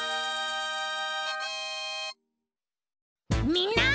みんな！